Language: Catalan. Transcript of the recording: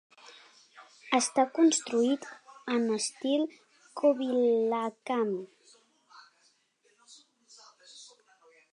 Està construït en estil kovilakam.